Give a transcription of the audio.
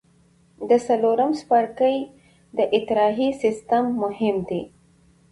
د څلورم څپرکي د اطراحي سیستم مهم دی.